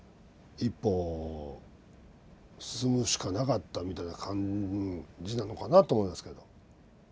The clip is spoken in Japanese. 一歩進むしかなかったみたいな感じなのかなと思いますけど。